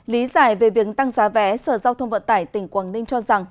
lý giải về việc tăng giá vé sở giao thông vận tải tỉnh quảng ninh cho rằng